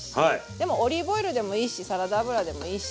でもオリーブオイルでもいいしサラダ油でもいいし。